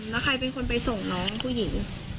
แล้วใครเป็นคนไปส่งน้องผู้หญิง